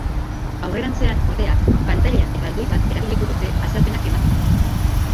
Aurrerantzean, ordea, pantaila erraldoi bat erabiliko dute azalpenak emateko.